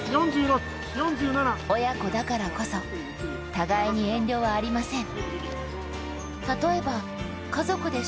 親子だからこそ互いに遠慮はありません。